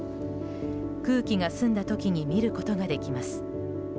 空気が澄んだ時に見ることができます。